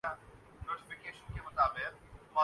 قسم کھانے سے اللہ مان جاتا ہے